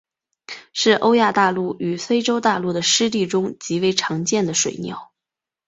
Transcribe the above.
是欧亚大陆与非洲大陆的湿地中极为常见的水鸟。